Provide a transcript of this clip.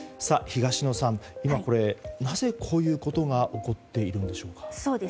東野さん、今、これなぜ、こういうことが起こっているのでしょうか。